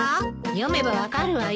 読めば分かるわよ。